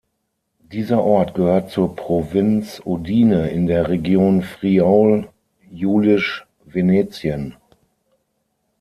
Dieser Ort gehört zur Provinz Udine in der Region Friaul-Julisch Venetien.